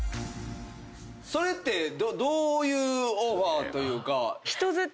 それってどういうオファーというか。